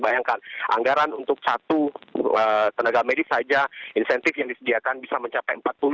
bayangkan anggaran untuk satu tenaga medis saja insentif yang disediakan bisa mencapai empat puluh